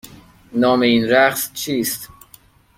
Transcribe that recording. نام این رقص چیست؟